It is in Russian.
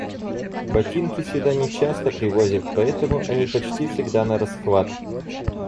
Ботинки сюда нечасто привозят, поэтому они почти всегда нарасхват.